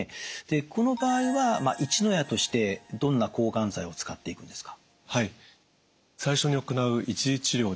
この場合は一の矢としてどんな抗がん剤を使っていくんですか？